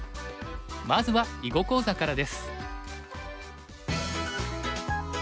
まずは囲碁講座からです。